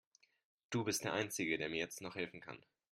Du bist der einzige, der mir jetzt noch helfen kann.